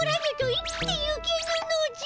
生きてゆけぬのじゃ！